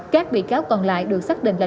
các bị cáo còn lại được xác định là